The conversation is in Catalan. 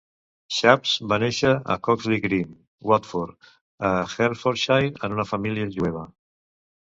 Shapps va néixer a Croxley Green, Watford, a Hertfordshire, en una família jueva.